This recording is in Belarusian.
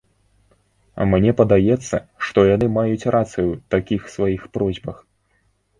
Мне падаецца, што яны маюць рацыю ў такіх сваіх просьбах.